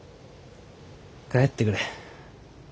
帰ってくれ。